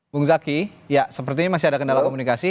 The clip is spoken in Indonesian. bung zaki ya sepertinya masih ada kendala komunikasi